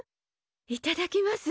いただきます。